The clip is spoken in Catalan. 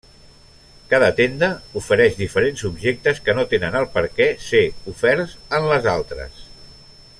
Cada tenda ofereix diferents objectes que no tenen el perquè ser oferts en les altres.